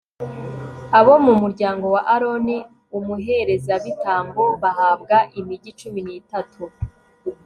abo mu mu ryango wa aroni umuherezabitambo bahabwa imigi cumi n'itatu